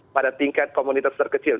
pada tingkat komunitas terkecil